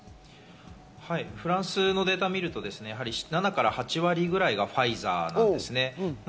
フランスのデータを見ると７８割はファイザーなんですね。